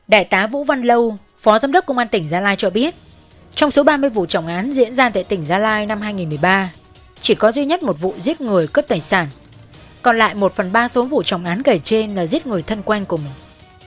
đại tá vũ văn lâu phó giám đốc công an tỉnh gia lai cho biết trong số ba mươi vụ trọng án diễn ra tại tỉnh gia lai năm hai nghìn một mươi ba chỉ có duy nhất một vụ giết người cướp tài sản còn lại một phần ba số vụ trọng án kể trên là giết người thân quen của mình